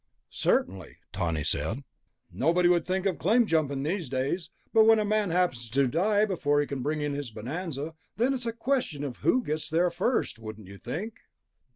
"Certainly," Tawney said. "Nobody would think of claim jumping, these days. But when a man happens to die before he can bring in his bonanza, then it's a question of who gets there first, wouldn't you think?"